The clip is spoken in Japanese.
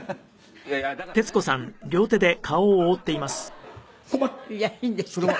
「いやいいんですけど。